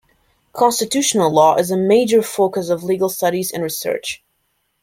Constitutional law is a major focus of legal studies and research.